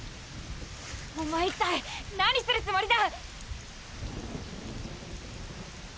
おまえ一体何するつもりだ！